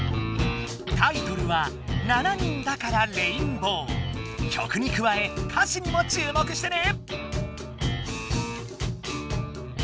タイトルは曲にくわえ歌詞にもちゅうもくしてね！